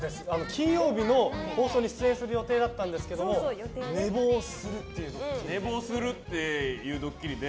金曜日の放送に出演する予定だったんですが寝坊するというドッキリで。